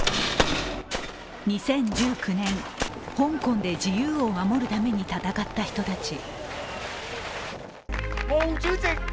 ２０１９年、香港で自由を守るために闘った人たち。